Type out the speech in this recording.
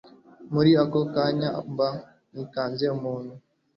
muri ako kanya mba nikanze umuntu